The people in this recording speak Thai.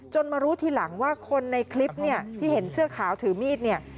มารู้ทีหลังว่าคนในคลิปเนี่ยที่เห็นเสื้อขาวถือมีดเนี่ย